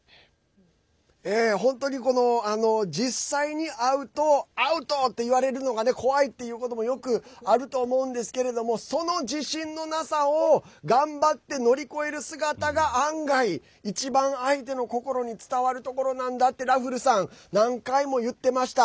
本当に、実際に会うとアウト！って言われるのがね怖いっていうこともよくあると思うんですけれどもその自信のなさを頑張って乗り越える姿が案外、一番相手の心に伝わるところなんだってラフルさん何回も言っていました。